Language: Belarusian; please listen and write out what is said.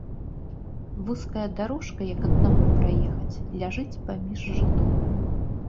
Вузкая дарожка, як аднаму праехаць, ляжыць паміж жытоў.